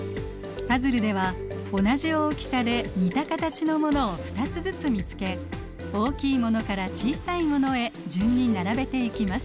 パズルでは同じ大きさで似た形のものを２つずつ見つけ大きいものから小さいものへ順に並べていきます。